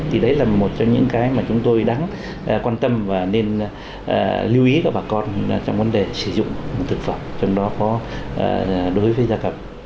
thì đấy là một trong những cái mà chúng tôi đáng quan tâm và nên lưu ý các bà con trong vấn đề sử dụng thực phẩm trong đó có đối với gia cầm